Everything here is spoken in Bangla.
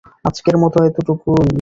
আজকের মতো এতটুকুই।